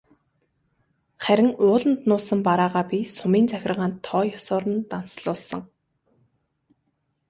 Харин ууланд нуусан бараагаа би сумын захиргаанд тоо ёсоор нь данслуулсан.